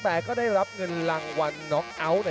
สวัสดิ์นุ่มสตึกชัยโลธสวิทธิ์